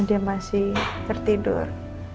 dia masih tertidur